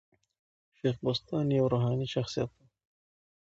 شېخ بُستان یو روحاني شخصیت وو.